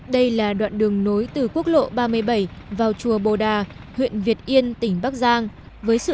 đây là đoạn đường nối từ quốc lộ ba mươi bảy vào chùa bồ đà huyện việt yên tỉnh bắc giang với sự